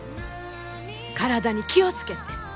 体に気を付けて。